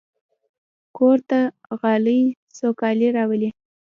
کور ته غالۍ سوکالي راولي.